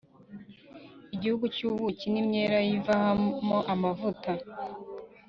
igihugu cy’ubuki n’imyelayo ivamo amavuta,